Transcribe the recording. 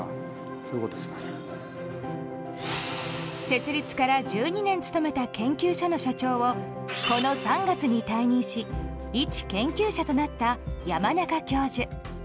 設立から１２年務めた研究所の所長をこの３月に退任しいち研究者となった山中教授。